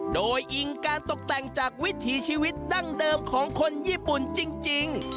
โดยอิงการตกแต่งจากวิถีชีวิตดั้งเดิมของคนญี่ปุ่นจริง